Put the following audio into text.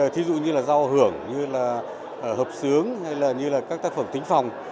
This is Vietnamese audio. thí dụ như là giao hưởng hợp sướng hay các tác phẩm tính phòng